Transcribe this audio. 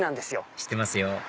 知ってますよ